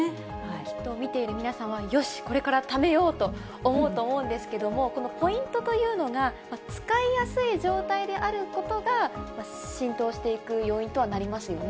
きっと見ている皆さんは、よし、これからためようと思うと思うんですけども、このポイントというのが、使いやすい状態であることが、浸透していく要因とはなりますよね。